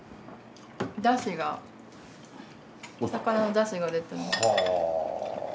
だしが魚のだしが出てます。